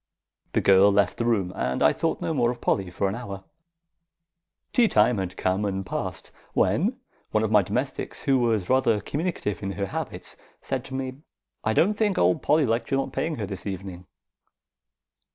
The girl left the room, and I thought no more of Polly for an hour. Tea time had come and passed, when one of my domestics, who was rather communicative in her habits, said to me: "I don't think old Polly liked your not paying her this evening."